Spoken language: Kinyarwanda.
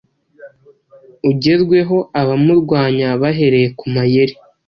ugerweho abamurwanya bahereye ku mayeri